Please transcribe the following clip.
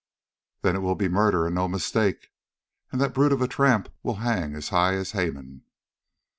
"Then it will be murder and no mistake, and that brute of a tramp will hang as high as Haman."